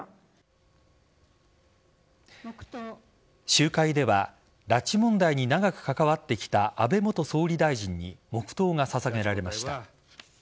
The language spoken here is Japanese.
集会では拉致問題に長く関わってきた安倍元総理大臣に黙とうが捧げられました。